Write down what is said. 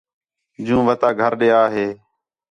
جوں وتہ گھر ݙے آ ہے